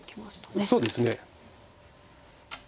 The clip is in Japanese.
そうですね。